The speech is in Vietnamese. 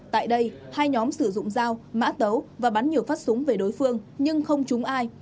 tại đây hai nhóm sử dụng dao mã tấu và bán nhiều phát súng về đối phương nhưng không trúng ai